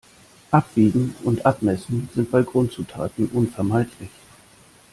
Abwiegen und Abmessen sind bei Grundzutaten unvermeidlich.